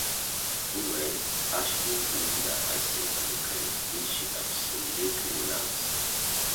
Meanwhile, Ash gives Linda a silver necklace, which she absolutely loves.